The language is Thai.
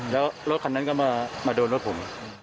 แล้วรถคันนั้นก็มาโดนรถผม